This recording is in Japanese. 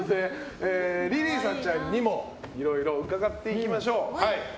莉里沙ちゃんにもいろいろ伺っていきましょう。